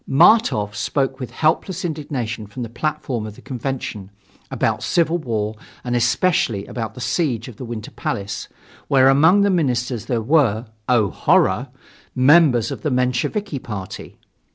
Martof spoke with helpless indignation from the platform of the convention, about civil war and especially about the siege of the Winter Palace, where among the ministers there were oh, horror! members of the Mensheviki party.